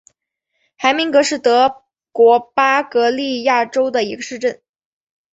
海明格是德国巴伐利亚州的一个市镇。